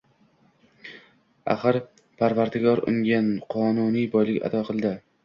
Axir Parvardigor unga qonuniy boylik ato qildi